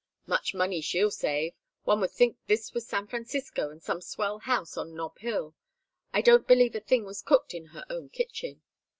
"Much money she'll save! One would think this was San Francisco, and some swell house on Nob Hill. I don't believe a thing was cooked in her own kitchen."